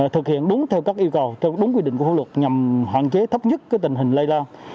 thực hiện đúng theo các yêu cầu theo đúng quy định của phương luật nhằm hoạn chế thấp nhất tình hình lây lao